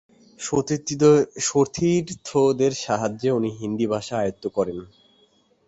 সতীর্থদের সাহায্যে উনি হিন্দি ভাষা আয়ত্ত করেন।